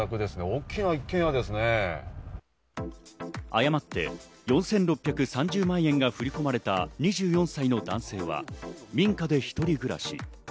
誤って４６３０万円が振り込まれた２４歳の男性は、民家で一人暮らし。